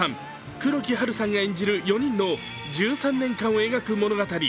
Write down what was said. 黒木華さん演じる４人の１３年間を描く物語。